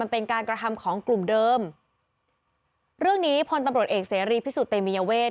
เป็นการกระทำของกลุ่มเดิมเรื่องนี้พลตำรวจเอกเสรีพิสุทธิเตมียเวท